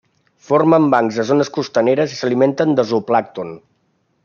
Formen bancs a zones costaneres i s'alimenten de zooplàncton.